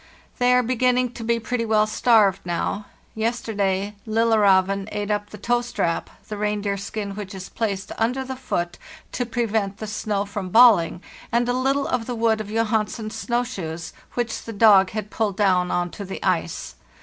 " They are beginning to be pretty well starved now. Yesterday ' Lillerzeven' ate up the toe strap (the reindeer skin which is placed under the foot to prevent the snow from balling), and a little of the wood of Johansen's snow shoes, which the dog had pulled down on to the ice.